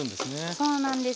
そうなんです。